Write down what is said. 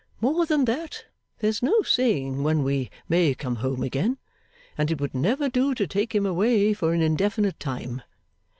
More than that, there's no saying when we may come home again; and it would never do to take him away for an indefinite time.